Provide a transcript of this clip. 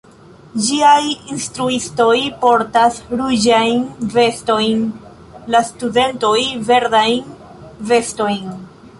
Ĝiaj instruistoj portas ruĝajn vestojn, la studentoj verdajn vestojn.